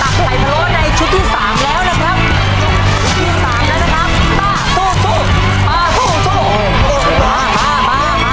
เป็นชุดมาภัยนะครับ